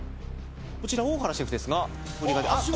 こちら大原シェフですがあっ